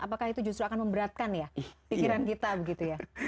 apakah itu justru akan memberatkan ya pikiran kita begitu ya